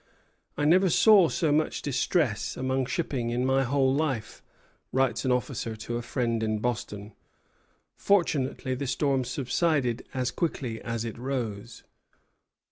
"I never saw so much distress among shipping in my whole life," writes an officer to a friend in Boston. Fortunately the storm subsided as quickly as it rose.